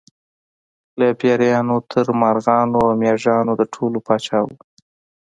له پېریانو تر مرغانو او مېږیانو د ټولو پاچا و.